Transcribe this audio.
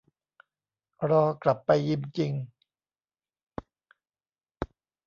รอกลับไปยิมจริง